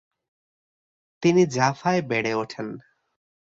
তিনি জাফায় বেড়ে ওঠেন।